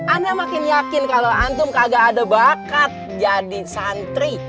anda makin yakin kalau antum kagak ada bakat jadi santri